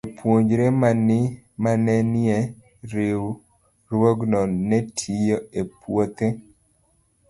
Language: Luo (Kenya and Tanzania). Jopuonjre ma ne nie riwruogno ne tiyo e puothe.